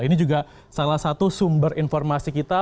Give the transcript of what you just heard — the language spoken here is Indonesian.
ini juga salah satu sumber informasi kita